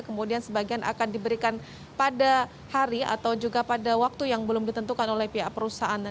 kemudian sebagian akan diberikan pada hari atau juga pada waktu yang belum ditentukan oleh pihak perusahaan